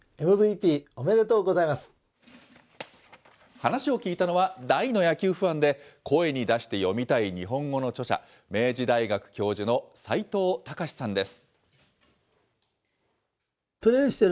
話を聞いたのは大の野球ファンで、声に出して読みたい日本語の著者、明治大学教授の齋藤孝さんです。